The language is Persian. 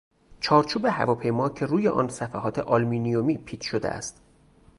چهارچوب هواپیما که روی آن صفحات آلومینیمی پیچ شده است